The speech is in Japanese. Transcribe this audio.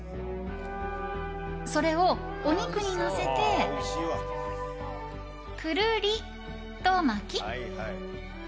それをお肉にのせてくるりと巻き。